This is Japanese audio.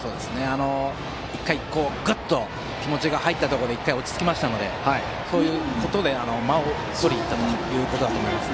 １回グッと気持ちが入ったところで落ち着きましたのでそういうことで間をとりにいったということだと思います。